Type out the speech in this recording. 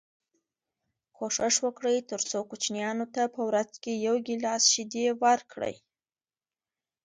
کوښښ وکړئ تر څو کوچنیانو ته په ورځ کي یو ګیلاس شیدې ورکړی